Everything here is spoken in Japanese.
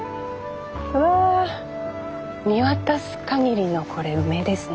うわ見渡すかぎりのこれ梅ですね。